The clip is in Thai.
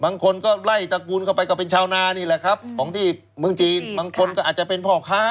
บางคนก็ไล่ตระกูลเข้าไปก็เป็นชาวนานี่แหละครับของที่เมืองจีนบางคนก็อาจจะเป็นพ่อค้า